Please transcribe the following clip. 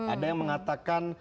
ada yang mengatakan